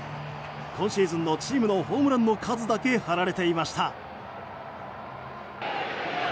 今シーズンのチームのホームランの数だけ貼られていました。